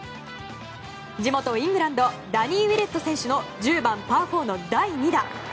地元イングランドダニー・ウィレット選手の１０番パー４の第２打。